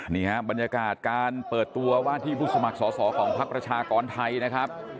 บรรยากาศการเปิดตัวว่าที่ผู้สมัครสอสอของพักประชากรไทยนะครับ